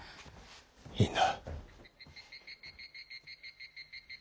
いいんだ。